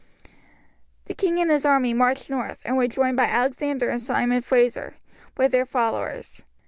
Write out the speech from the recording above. The king and his army marched north, and were joined by Alexander and Simon Frazer, with their followers.